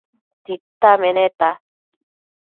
Tita meneta